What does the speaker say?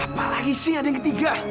apalagi sih ada yang ketiga